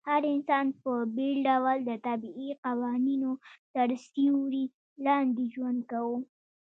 هر انسان په بېل ډول د طبيعي قوانينو تر سيوري لاندي ژوند کاوه